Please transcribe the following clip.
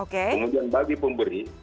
kemudian bagi pemberi